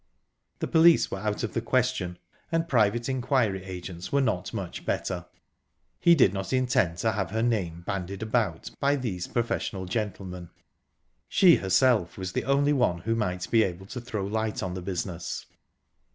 The police were out of the question, and private inquiry agents were not much better; he did not intend to have her name bandied about by these professional gentlemen. She herself was the only one who might be able to throw light on the business.